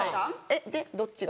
でどっちが？